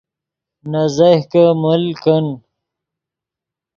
نے زیہکے مل کن